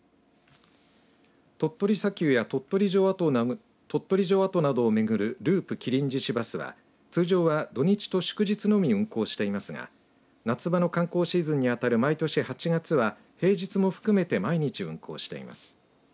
鳥取砂丘や鳥取城跡などをめぐる、ループ麒麟獅子バスは通常は、土日と祝日のみ運行していますが夏場の観光シーズンにあたる毎年８月は平日も含めて毎日運行しています。